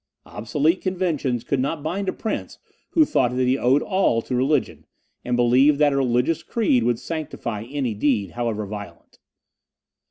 Obsolete conventions could not bind a prince who thought that he owed all to religion, and believed that a religious creed would sanctify any deed, however violent.